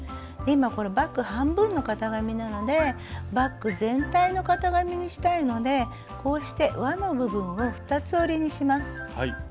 今バッグ半分の型紙なのでバッグ全体の型紙にしたいのでこうして「わ」の部分を二つ折りにします。